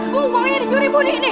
bu kau ini penjuri bu di sini